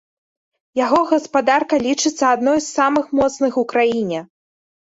Яго гаспадарка лічыцца адной з самых моцных у краіне.